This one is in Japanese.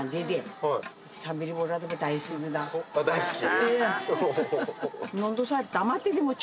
大好き？